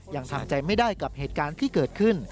ยังทำใจไม่ได้กับเหตุการณ์ที่เกิดขึ้น